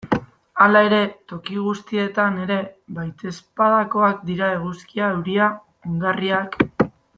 Hala ere, toki guztietan ere baitezpadakoak dira eguzkia, euria, ongarriak...